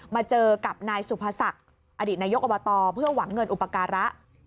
มาเจอกับนายสุภศักดิ์อดีตนายกอบตเพื่อหวังเงินอุปการะ